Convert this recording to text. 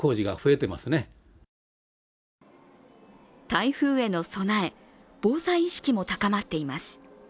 台風への備え防災意識も高まっています。